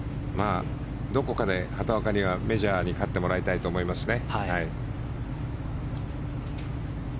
どこかで畑岡にはメジャーで勝ってもらいたいと思いますね。